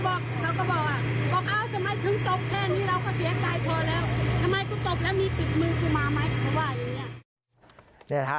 ทำไมก็ตบแล้วมีติดมือจะมาไหมเขาว่าอย่างนี้